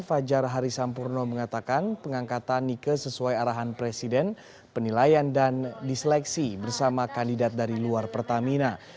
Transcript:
fajar harisampurno mengatakan pengangkatan nike sesuai arahan presiden penilaian dan diseleksi bersama kandidat dari luar pertamina